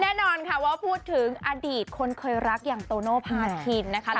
แน่นอนค่ะว่าพูดถึงอดีตคนเคยรักอย่างโตโนภาคินนะคะ